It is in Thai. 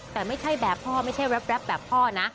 แต่ไม่ใช่แบบพ่อไม่ใช่แป๊บแบบพ่อนะ